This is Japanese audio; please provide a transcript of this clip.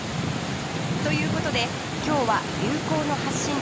という事で今日は流行の発信地